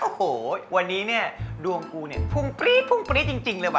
โอ้โหวันนี้เนี่ยดวงกูเนี่ยพุ่งปรี๊พุ่งปรี๊ดจริงเลยว่